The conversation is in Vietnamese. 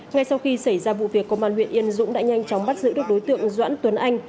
ngay sau khi xảy ra vụ việc công an huyện yên dũng đã nhanh chóng bắt giữ được đối tượng doãn tuấn anh